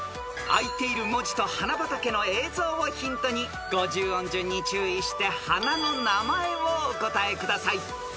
［開いている文字と花畑の映像をヒントに５０音順に注意して花の名前をお答えください］